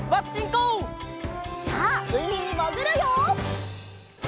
さあうみにもぐるよ！